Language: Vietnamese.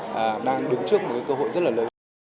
và đang đứng trước một cái cơ hội rất là lớn